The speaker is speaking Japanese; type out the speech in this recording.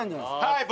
はい。